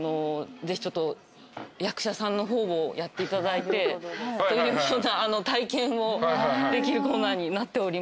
ぜひ役者さんの方をやっていただいて。というような体験をできるコーナーになっております。